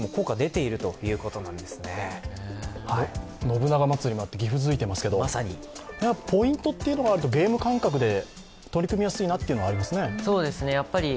信長まつりもあって岐阜ずいていますけど、ポイントというのがあるとゲーム感覚で取り組みやすいなというのがありますね。